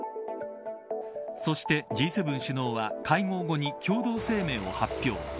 そして、Ｇ７首脳は会合後に共同声明を発表。